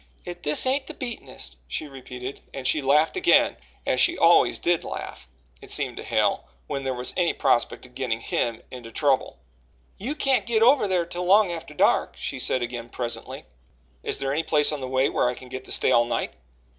If this ain't the beatenest!" she repeated, and she laughed again, as she always did laugh, it seemed to Hale, when there was any prospect of getting him into trouble. "You can't git over thar till long atter dark," she said again presently. "Is there any place on the way where I can get to stay all night?"